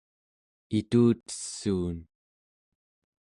itutessuun